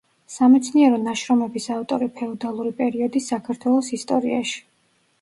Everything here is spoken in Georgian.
სამეცნიერო ნაშრომების ავტორი ფეოდალური პერიოდის საქართველოს ისტორიაში.